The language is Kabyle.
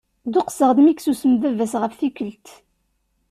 Dduqseɣ-d mi yessusem baba-s ɣef tikkelt.